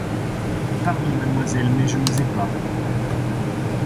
Pardon, mademoiselle, mais je n'osais pas.